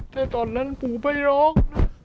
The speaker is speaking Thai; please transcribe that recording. แต่ตอนนั้นปู่ไปร้อง